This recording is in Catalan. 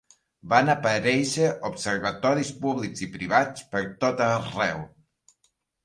Van aparèixer observatoris públics i privats pertot arreu.